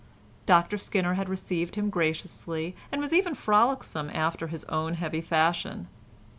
Dr Skinner received him graciously, and was even frolicsome after his own heavy fashion.